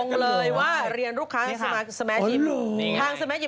ลงเลยว่าเรียนลูกค้าแท้คีมาสแมร์จิม